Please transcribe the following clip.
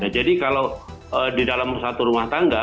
jadi kalau di dalam satu rumah tangga